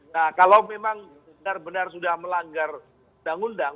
nah kalau memang benar benar sudah melanggar undang undang